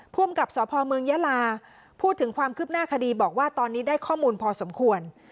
ภูมิกับสพเมืองยาลาพูดถึงความคืบหน้าคดีบอกว่าตอนนี้ได้ข้อมูลพอสมควร